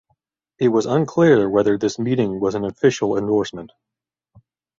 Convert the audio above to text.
It was unclear whether this meeting was an official endorsement.